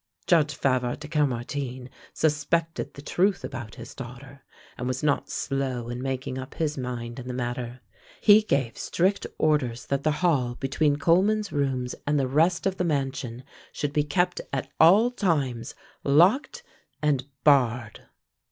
Judge Favart de Caumartin suspected the truth about his daughter, and was not slow in making up his mind in the matter. He gave strict orders that the hall between Coleman's rooms and the rest of the mansion should be kept at all times locked and barred.